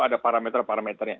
itu ada parameter parameternya